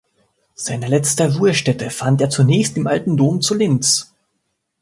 Seine letzte Ruhestätte fand er zunächst im Alten Dom zu Linz.